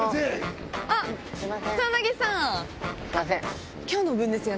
あっ草薙さん！